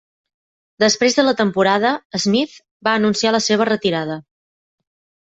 Després de la temporada, Smith va anunciar la seva retirada.